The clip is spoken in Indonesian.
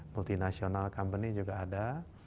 multinational company juga ada